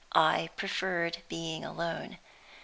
I preferred being alone.